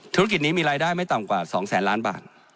ธุรกิจนี้มีรายได้ไม่ต่ำกว่า๒แสนล้านบาท